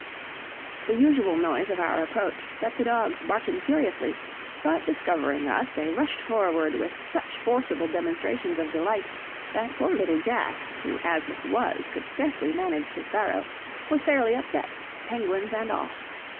The usual noise of our approach set the dogs barking furiously, but discovering us, they rushed forward with such forcible demonstrations of delight, that poor little Jack, who, as it was, could scarcely manage his barrow, was fairly upset, penguins and all.